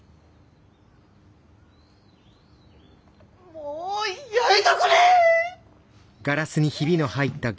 もうやめとくれ！